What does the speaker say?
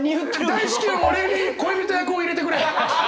大至急俺に恋人役を入れてくれ。